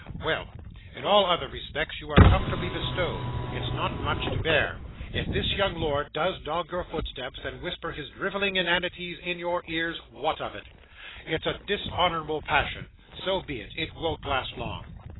Well. In all other respects you are comfortably bestowed. It's not much to bear. If this young lord does dog your footsteps, and whisper his drivelling inanities in your ears, what of it? It's a dishonourable passion. So be it; it won't last long.